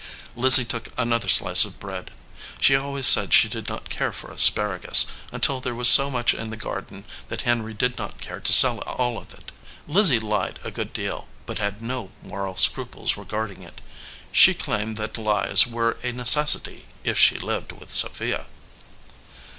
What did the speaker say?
Lizzie took another slice of bread. She always said she did not care for asparagus, until there was so much in the garden that Henry did not care to sell all of it. Lizzie lied a good deal, but had no moral scruples regarding it. She claimed that lies were a necessity if she lived with Sophia.